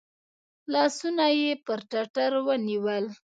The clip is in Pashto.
لاسونه یې پر ټتر ونیول .